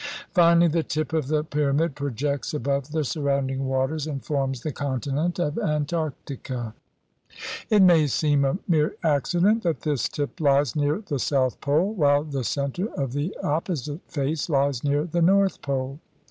Finally the tip of the pyramid projects above the surrounding waters, and forms the continent of Antarctica. It may seem a mere accident that this tip lies near the South Pole, while the center of the oppo site face lies near the North Pole.